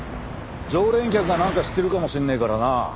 常連客がなんか知ってるかもしれねえからな。